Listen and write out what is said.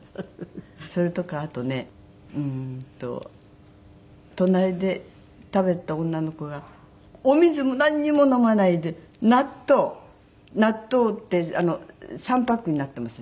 それとかあとねうーんと隣で食べていた女の子がお水もなんにも飲まないで納豆納豆って３パックになっていますでしょ。